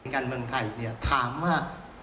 การเมืองไทยถามว่า